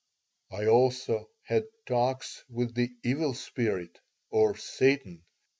I also had talks with the Evil Spirit, or Satan.